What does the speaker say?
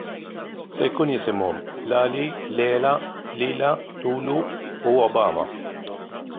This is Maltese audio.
Se jkun jisimhom Lali, Lela, Lila, Lulu u Obama.